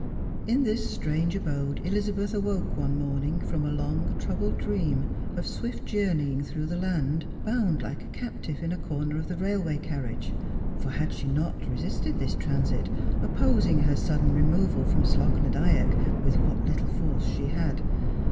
355 In tliis strange abode Elizabeth awoke one morning from a long troubled dream of swift journeying through tlie land, bcund lilie a ca2:)tive in a corner of the railway carriage ; for had she not resisted this transit, opposing her sudden removal from Slogh na Dyack with what little force she had?